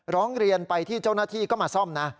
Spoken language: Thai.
ร้องเรียนไปที่เจ้าหน้าที่ก็มาซ่อมนะ